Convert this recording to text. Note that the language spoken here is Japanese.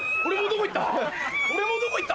俺もどこ行った？